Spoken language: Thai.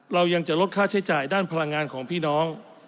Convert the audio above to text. เรายังจะลดค่าใช้จ่ายด้านพลังงานของพี่น้อง